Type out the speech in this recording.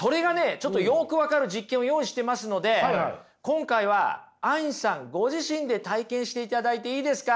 ちょっとよく分かる実験を用意してますので今回はアインさんご自身で体験していただいていいですか？